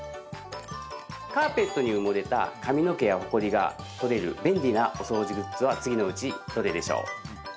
カーペットに埋もれた髪の毛やほこりが取れる便利なお掃除グッズは次のうちどれでしょう。